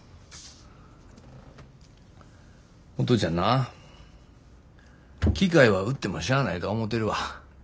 お父ちゃんな機械は売ってもしゃあないか思てるわ。